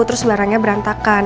terus barangnya berantakan